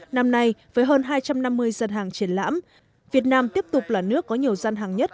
năm nay với hơn hai trăm năm mươi dân hàng triển lãm việt nam tiếp tục là nước có nhiều gian hàng nhất